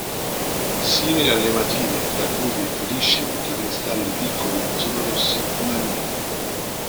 Simile all'ematite, da cui differisce perché i cristalli piccoli non sono rossi ma neri.